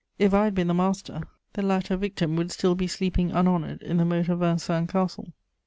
If I had been the master, the latter victim would still be sleeping unhonoured in the moat of Vincennes Castle.